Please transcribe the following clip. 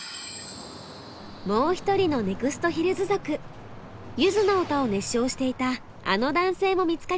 もう一人のネクストヒルズ族ゆずの歌を熱唱していたあの男性も見つかりました。